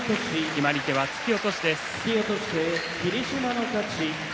決まり手は突き落としです。